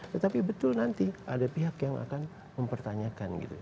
tetapi betul nanti ada pihak yang akan mempertanyakan gitu